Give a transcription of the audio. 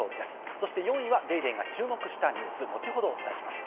そして４位は『ＤａｙＤａｙ．』が注目したニュース、後ほどお伝えします。